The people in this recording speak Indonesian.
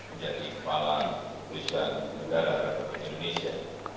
menjadi kepala perusahaan negara republik indonesia